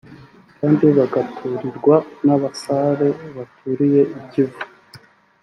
kandi bagaturirwa n’Abasare baturiye i Kivu